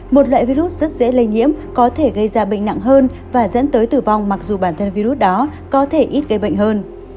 một loại virus rất dễ lây nhiễm có thể gây ra bệnh nặng hơn và dẫn tới tử vong mặc dù bản thân virus đó có thể ít gây bệnh hơn